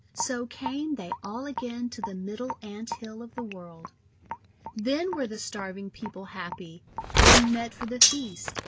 So came they all again to the Middle Ant Hill of the World. Then were the starving people happy, and met for the feast.